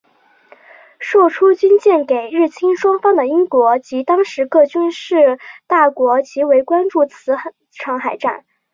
售出军舰给日清双方的英国及当时各军事大国极为关注此场海战。